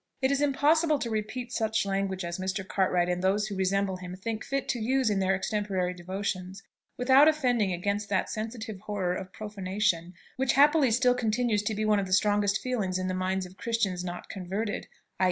It is impossible to repeat such language as Mr. Cartwright and those who resemble him think fit to use in their extemporary devotions, without offending against that sensitive horror of profanation which happily still continues to be one of the strongest feelings in the minds of Christians not converted _i.